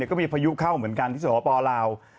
ก็มีพายุเข้าเหมือนกันที่สวปลาว